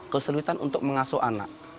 kesulitan untuk mengasuh anak